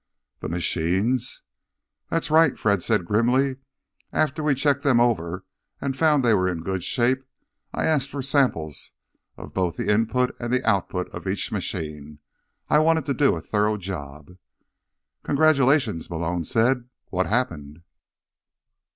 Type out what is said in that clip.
"The machines?" "That's right," Fred said grimly. "After we checked them over and found they were in good shape, I asked for samples of both the input and the output of each machine. I wanted to do a thorough job." "Congratulations," Malone said. "What happened?"